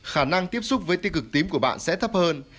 khả năng tiếp xúc với tiêu cực tím của bạn sẽ thấp hơn